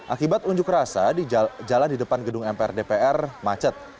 akibat unjuk rasa jalan di depan gedung mpr dpr macet